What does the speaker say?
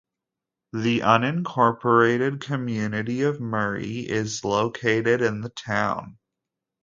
The unincorporated community of Murry is located in the town.